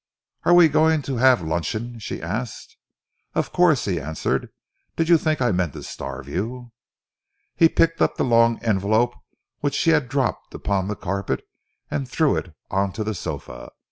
"Are we going to have luncheon?" she asked. "Of course," he answered. "Did you think I meant to starve you?" He picked up the long envelope which she had dropped upon the carpet, and threw it on to the sofa.